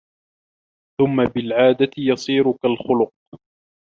ثُمَّ بِالْعَادَةِ يَصِيرُ كَالْخُلُقِ